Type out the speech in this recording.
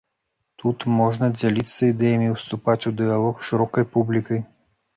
Тут можна дзяліцца ідэямі, ўступаць у дыялог з шырокай публікай.